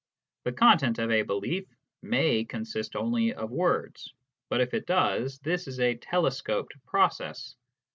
The content of a belief may consist only of words, but if it does, this is a telescoped process.